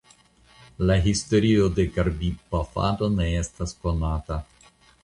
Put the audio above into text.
La historio de karbidpafado ne estas konata.